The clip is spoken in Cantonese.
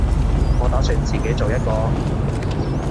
我打算自己做一個